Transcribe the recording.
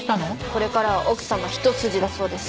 これからは奥様一筋だそうです。